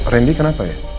rendi kenapa ya